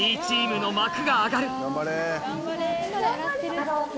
Ｂチームの幕が上がる